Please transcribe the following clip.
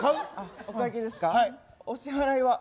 お支払いは？